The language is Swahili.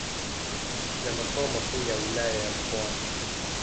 na makao makuu ya Wilaya ya Mkoani.